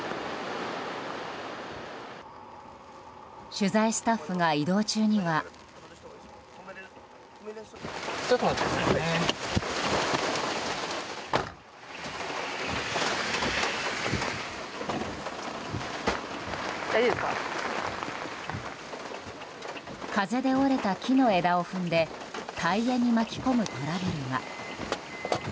取材スタッフが移動中には。風で折れた木の枝を踏んでタイヤに巻き込むトラブルが。